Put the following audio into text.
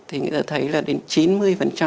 thì người ta thấy là đến chín mươi